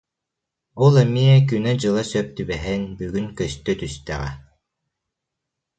Ол эмиэ күнэ-дьыла сөп түбэһэн, бүгүн көстө түстэҕэ